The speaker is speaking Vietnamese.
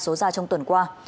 số ra trong tuần qua